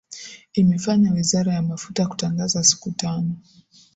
imefanya wizara ya mafuta kutangaza siku tano